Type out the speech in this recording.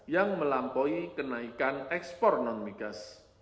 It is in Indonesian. yang melampaui kenaikan ekspor non migas